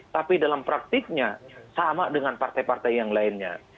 tapi dalam praktiknya sama dengan partai partai yang lainnya